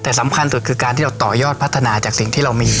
แต่สำคัญสุดคือการที่เราต่อยอดพัฒนาจากสิ่งที่เรามี